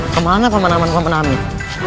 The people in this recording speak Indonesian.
kemana paman aman dan paman amin